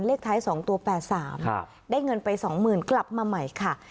เลขท้ายสองตัวแปดสามครับได้เงินไปสองหมื่นกลับมาใหม่ค่ะ